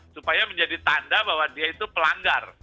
supaya menjadi tanda bahwa dia itu pelanggar